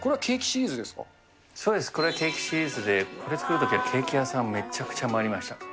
そうです、これはケーキシリーズで、これ作るときは、ケーキ屋さん、めちゃくちゃ回りました。